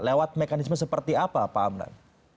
lewat mekanisme seperti apa pak amran